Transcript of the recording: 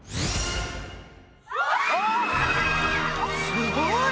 すごい！